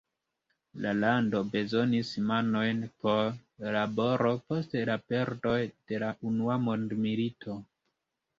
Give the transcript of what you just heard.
La lando bezonis manojn por laboro post la perdoj de la Unua Mondmilito.